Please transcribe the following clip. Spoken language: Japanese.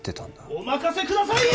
お任せください！